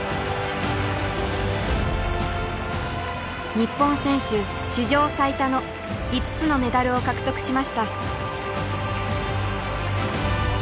日本選手史上最多の５つのメダルを獲得しました。